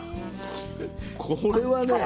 これはね